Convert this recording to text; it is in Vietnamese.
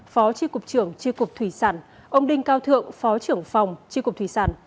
phó tri cục trưởng tri cục thủy sản ông đinh cao thượng phó trưởng phòng tri cục thủy sản